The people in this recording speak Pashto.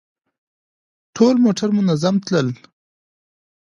ټول موټر منظم تلل.